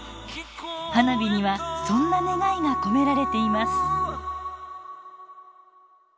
花火にはそんな願いが込められています。